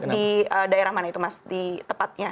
di daerah mana itu mas di tepatnya